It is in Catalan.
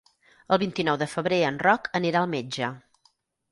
El vint-i-nou de febrer en Roc anirà al metge.